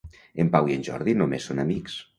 En Pau i en Jordi només són amics.